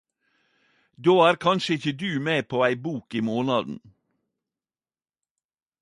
Då er kanskje ikkje du med på ei bok i månaden?